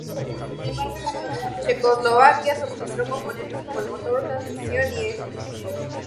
Checoslovaquia suministró componentes como el motor, transmisión y ejes.